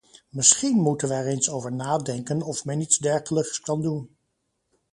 Misschien moeten we er eens over nadenken of men iets dergelijks kan doen ...